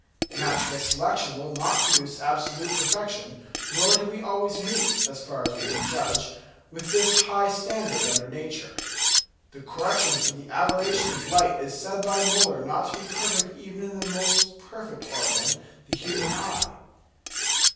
Natural selection will not produce absolute perfection, nor do we always meet, as far as we can judge, with this high standard under nature. The correction for the aberration of light is said by Müller not to be perfect even in that most perfect organ, the human eye.